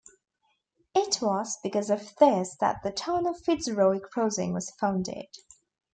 It was because of this that the town of Fitzroy Crossing was founded.